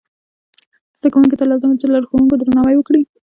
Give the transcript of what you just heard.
زده کوونکو ته لازمه ده چې د لارښوونکو درناوی وکړي.